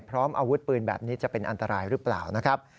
พร้อมอาวุธปืนแบบนี้จะเป็นอันตรายหรือเปล่านะครับ